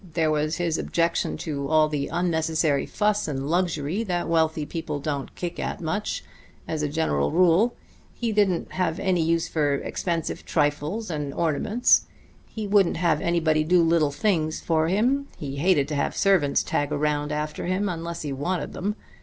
There was his objection to all the unnecessary fuss and luxury that wealthy people don't kick at much, as a general rule. He didn't have any use for expensive trifles and ornaments. He wouldn't have anybody do little things for him; he hated to have servants tag around after him unless he wanted them.